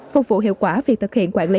phục vụ hiệu quả việc thực hiện quản lý